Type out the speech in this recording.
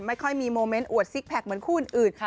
ไม่ค่อยมีโมเมนต์อวดซิกแพคเหมือนคู่อื่น